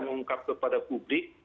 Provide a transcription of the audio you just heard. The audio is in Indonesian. mengungkap kepada publik